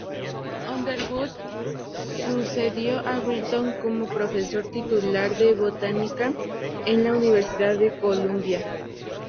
Underwood sucedió a Britton como Profesor titular de Botánica en la Universidad de Columbia.